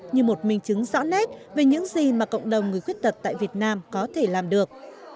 như một minh chứng rõ nét về những gì mà cộng đồng người khuyết tật tại việt nam có thể làm được